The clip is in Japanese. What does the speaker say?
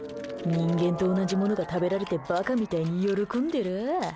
人間と同じものが食べられてバカみたいに喜んでらぁ。